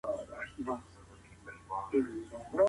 عدم باور څنګه رامنځته کېږي؟